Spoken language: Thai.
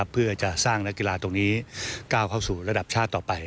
เพื่อจะสร้างนักกีฬาตรงนี้ก้าวเข้าสู่ระดับชาติต่อไป